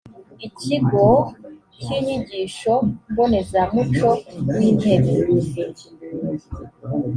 ikigo cy inyigisho mbonezamuco wintebe